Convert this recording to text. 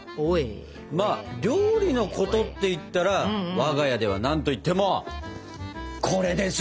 まあ料理のことっていったら我が家では何といってもこれでしょこれ！